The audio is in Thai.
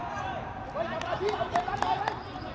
สวัสดีครับทุกคน